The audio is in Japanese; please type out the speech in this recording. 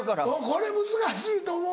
これ難しいと思う。